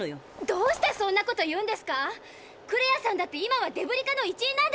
どうしてそんなこと言うんですか⁉クレアさんだって今はデブリ課の一員なんですよ！